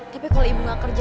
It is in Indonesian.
tapi kalau ibu gak kerja